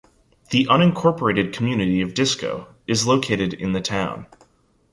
The unincorporated community of Disco is located in the town.